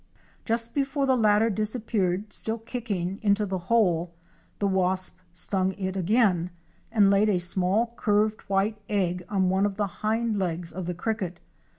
Just before the latter disappeared still kicking into the hole, the wasp stung it again and laid a small curved white egg on one of the hind legs of the cricket.